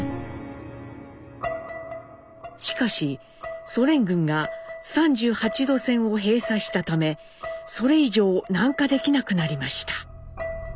しかしソ連軍が３８度線を閉鎖したためそれ以上南下できなくなりました。